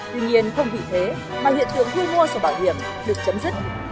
tuy nhiên không bị thế mà hiện tượng thuê mua sổ bảo hiểm được chấm dứt